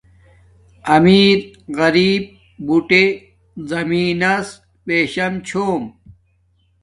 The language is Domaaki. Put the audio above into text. امیر غریپ بُوٹے زمین نس بیشم چھوم